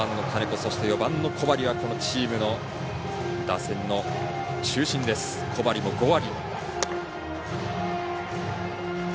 そして、４番の小針はこのチームの打線の中心です、小針も５割。